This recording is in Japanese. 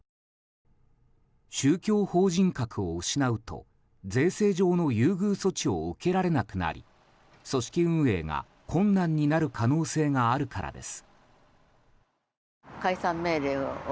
宗教法人格を失うと、税制上の優遇措置を受けられなくなり組織運営が困難になる可能性があるからです。